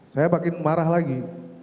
saya makin marah lagi